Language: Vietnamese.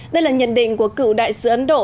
đây là nhận định của cựu đại sứ ấn độ